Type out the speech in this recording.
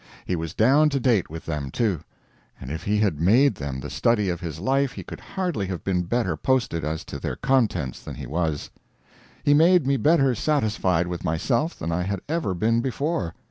He was down to date with them, too; and if he had made them the study of his life he could hardly have been better posted as to their contents than he was. He made me better satisfied with myself than I had ever been before.